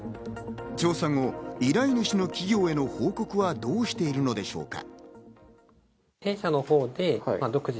調査後、依頼主の企業への報告はどうしているのか。